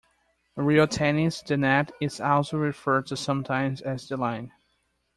In real tennis the net is also referred to sometimes as the line.